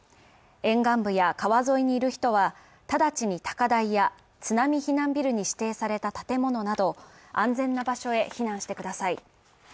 沿岸部や川沿いにいる人は直ちに高台や津波避難ビルに指定された建物など安全な場所へ避難してください。